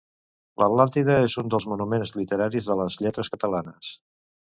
L'Atlàntida és un dels monuments literaris de les lletres catalanes.